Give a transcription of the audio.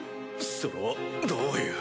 それはどういう。